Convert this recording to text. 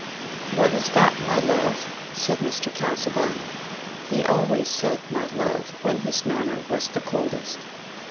"What is that, my love?" said Mr Casaubon (he always said "my love" when his manner was the coldest).